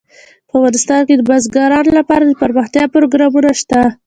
په افغانستان کې د بزګانو لپاره دپرمختیا پروګرامونه شته.